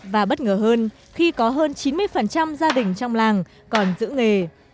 và bất ngờ hơn khi có hơn chín mươi gia đình trong làng còn giữ nghề